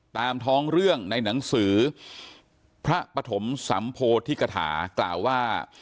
ตามท้องเรื่องในหนังสือพระปฐมสัมโพธิกฐากล่าวว่า